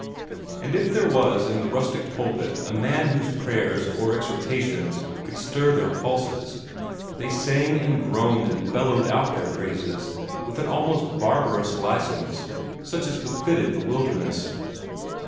And if there was in the rustic pulpit a man whose prayers or exhortations could stir their pulses, they sang and groaned and bellowed out their praises with an almost barbarous license, such as befitted the wilderness.